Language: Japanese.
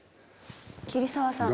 桐沢さん。